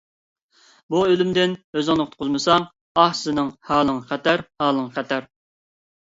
بۇ ئۆلۈمدىن ئۆزۈڭنى قۇتقۇزمىساڭ، ئاھ، سېنىڭ ھالىڭ خەتەر، ھالىڭ خەتەر.